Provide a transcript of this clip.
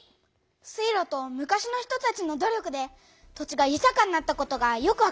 水路と昔の人たちの努力で土地がゆたかになったことがよくわかったよ！